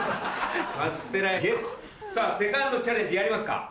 さぁセカンドチャレンジやりますか？